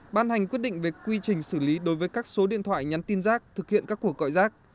ban hành quyết định về quy trình xử lý đối với các số điện thoại nhắn tin rác thực hiện các cuộc gọi rác